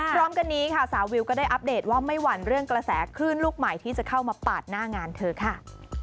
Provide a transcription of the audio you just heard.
พร้อมกันนี้ค่ะสาววิวก็ได้อัปเดตว่าไม่หวั่นเรื่องกระแสคลื่นลูกใหม่ที่จะเข้ามาปาดหน้างานเธอค่ะ